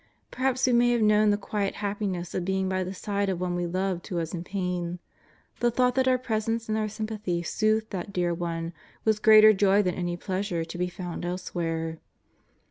Perhaps we may have known the quiet happiness of being by the side of one we loved who was in pain. The thought that our presence and our sympathy soothed that dear one was greater joy than any pleasure to bo found elsewhere.